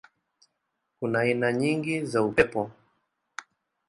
Kuna aina nyingi za upepo.